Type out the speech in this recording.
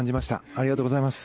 ありがとうございます。